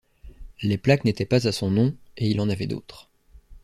Les plaques n’étaient pas à son nom, et il en avait d’autres.